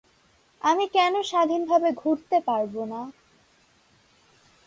আমি কেন স্বাধীনভাবে ঘুরতে পারবো না?